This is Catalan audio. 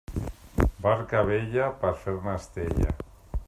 Barca vella, per fer-ne estella.